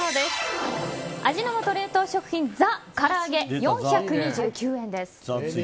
味の素冷凍食品ザ★から揚げ、４２９円です。